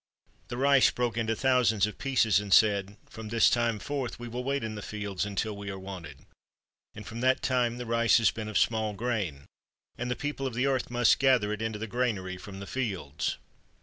The rice broke into thousands of pieces and said, "From this time forth, we will wait in the fields until we are wanted," and from that time the rice has been of small grain, and the people of the earth must gather it into the granary from the fields.